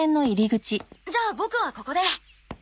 じゃあボクはここで。